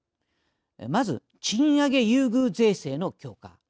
まず、賃上げ優遇税制の強化。